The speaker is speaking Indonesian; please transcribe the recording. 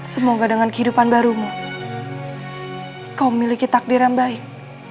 semoga dengan kehidupan barumu kau miliki takdir yang baik